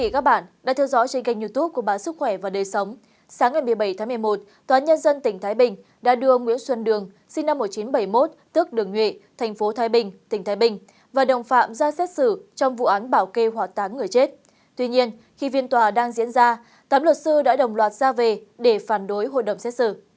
các bạn hãy đăng ký kênh để ủng hộ kênh của chúng mình nhé